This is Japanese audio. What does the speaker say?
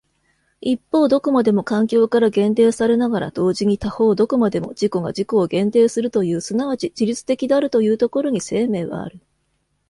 一方どこまでも環境から限定されながら同時に他方どこまでも自己が自己を限定するという即ち自律的であるというところに生命はある。